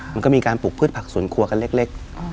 มันก็มีการปลูกพืชผักสวนครัวกันเล็ก